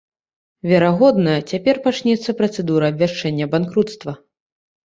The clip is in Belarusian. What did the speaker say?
Верагодна, цяпер пачнецца працэдура абвяшчэння банкруцтва.